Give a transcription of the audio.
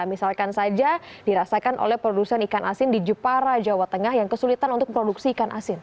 misalkan saja dirasakan oleh produsen ikan asin di jepara jawa tengah yang kesulitan untuk produksi ikan asin